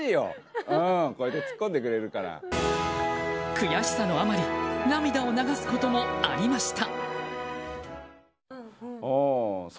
悔しさのあまり涙を流すこともありました。